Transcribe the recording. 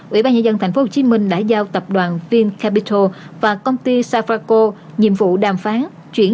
ủy ban nhân dân tp hcm đã giao tập đoàn vincapital và công ty safarco nhiệm vụ đàm phán